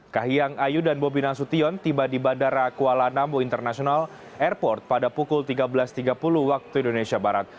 kahiyang ayu dan bobi nasution tiba di bandara kuala nambo international airport pada pukul tiga belas tiga puluh waktu indonesia barat